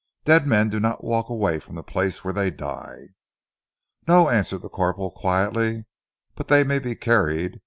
"Dead men do not walk away from the place where they die." "No," answered the corporal quietly. "But they may be carried.